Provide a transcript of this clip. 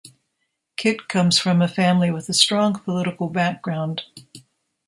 Kitt comes from a family with a strong political background.